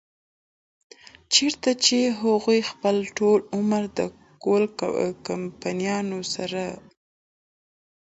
چرته چې هغوي خپل ټول عمر د کول کمپنيانو سره